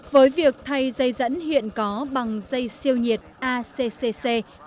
với việc thay dây dẫn hiện có bằng dây siêu nhiệt accc ba trăm sáu mươi bảy